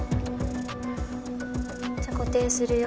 じゃあ固定するよ。